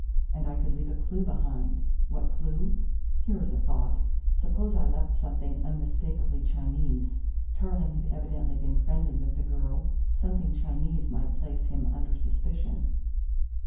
And I could leave a clue behind. What clue? Here is a thought. Suppose I left something unmistakably Chinese? Tarling had evidently been friendly with the girl ... something Chinese might place him under suspicion...."